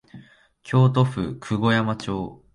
京都府久御山町